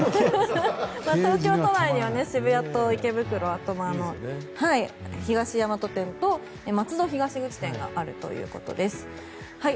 東京都内では渋谷、池袋に東大和店と松戸東口店があるということです。